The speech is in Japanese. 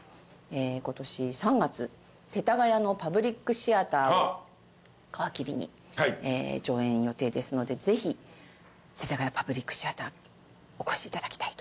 今年３月世田谷のパブリックシアターを皮切りに上演予定ですのでぜひ世田谷パブリックシアターお越しいただきたいと。